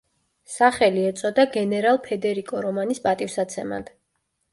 სახელი ეწოდა გენერალ ფედერიკო რომანის პატივსაცემად.